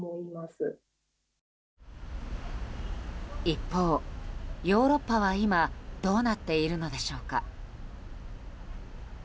一方、ヨーロッパは今どうなっているのでしょうか。